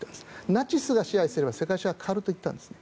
ナチスが支配すれば世界史が変わるといったんですね。